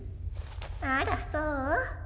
あらそう？